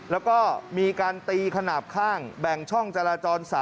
แล้วก็มีการตีขนาดข้างแบ่งช่องจราจร๓